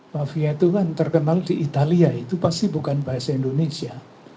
mafia itu kan terkenal di italia itu pasti bukan bahasa indonesia